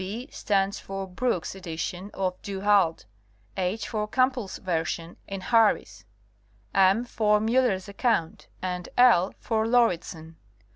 B stands for Brookes' edition of Du Halde ; H for Campbell's version in Har ris; M for Miiller's account ; and L for Lauridsen.